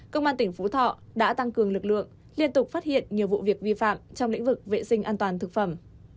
công an tỉnh phú thọ đã tăng cường lực lượng liên tục phát hiện nhiều vụ việc vi phạm trong lĩnh vực vệ sinh an toàn thực phẩm